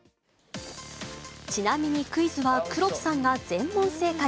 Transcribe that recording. ちなみにクイズは黒木さんが全問正解。